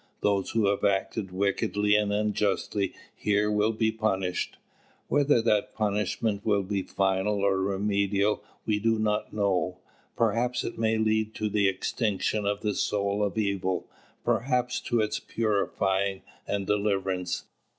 Those who have acted wickedly and unjustly here will be punished. Whether that punishment will be final or remedial we do not know. Perhaps it may lead to the extinction of the soul of evil, perhaps to its purifying and deliverance.